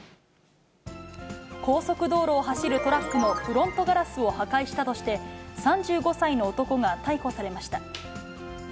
高速道路を走るトラックのフロントガラスを破壊したとして、３５歳の男が逮捕されました。